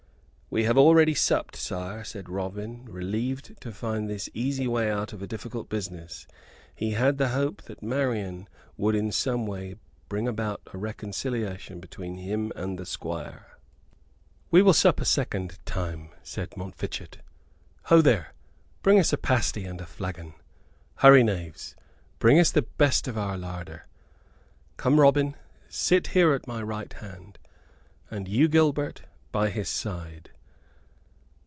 "We have already supped, sir," said Robin, relieved to find this easy way out of a difficult business. He had the hope that Marian would in some way bring about a reconciliation between him and the Squire. "We will sup a second time," said Montfichet. "Ho there! bring us a pasty and a flagon! Hurry, knaves, bring us the best of our larder. Come, Robin, sit here at my right hand, and you, Gilbert, by his side.